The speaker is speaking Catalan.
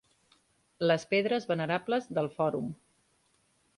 Les pedres venerables del fòrum.